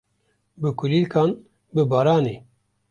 bi kulîlkan, bi baranê.